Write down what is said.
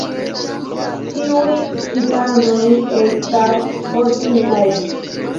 Ĉiuj ŝipanoj estas mortintaj.